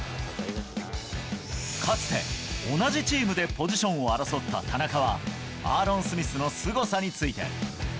かつて、同じチームでポジションを争った田中は、アーロン・スミスのすごさについて。